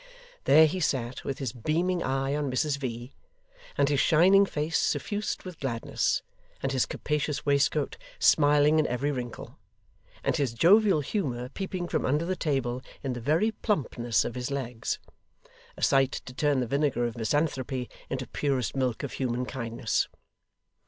There he sat, with his beaming eye on Mrs V., and his shining face suffused with gladness, and his capacious waistcoat smiling in every wrinkle, and his jovial humour peeping from under the table in the very plumpness of his legs; a sight to turn the vinegar of misanthropy into purest milk of human kindness.